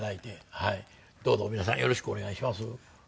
どうぞ皆さんよろしくお願いします。